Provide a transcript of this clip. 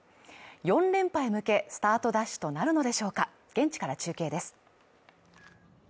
４連覇へ向け、スタートダッシュとなるのでしょうか現地から中継です。